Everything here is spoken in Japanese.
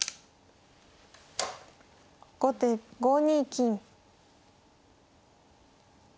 後手５二金。